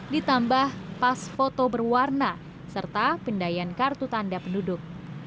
ditambah pas foto berwarna serta pendayan kartu tanda penduduk